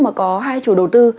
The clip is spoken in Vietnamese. mà có hai chủ đầu tư